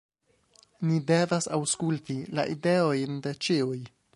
"Ni devas aŭskulti la ideojn de ĉiuj."